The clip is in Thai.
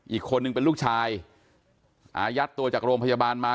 อีกคนนึงเป็นลูกชายอายัดตัวจากโรงพยาบาลมา